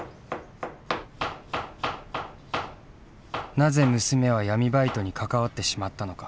なぜ娘は闇バイトに関わってしまったのか。